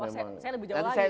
saya lebih jauh lagi